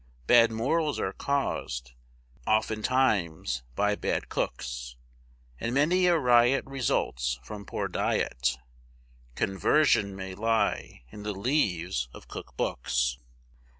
Bad morals are caused, oftentimes by bad cooks, And many a riot results from poor diet Conversion may lie in the leaves of cook books.